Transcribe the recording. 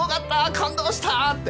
感動した！って。